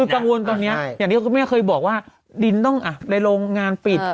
คือกังวลตอนนี้อย่างที่คุณแม่เคยบอกว่าดินต้องในโรงงานปิด